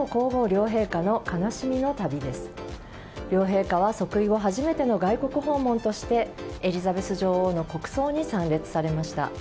両陛下は即位後初めての外国訪問としてエリザベス女王の国葬に参列されました。